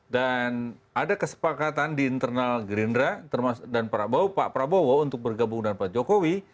dan ada kesepakatan di internal gerindra dan pak prabowo untuk bergabung dengan pak jokowi